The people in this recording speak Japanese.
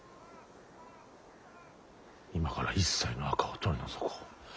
今から一切の赤を取り除こう。